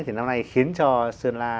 thì năm nay khiến cho sơn la